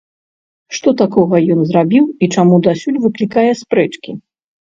Што такога ён зрабіў і чаму дасюль выклікае спрэчкі?